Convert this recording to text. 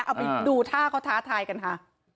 เอาไปดูท่าเขาท้าทายกันค่ะ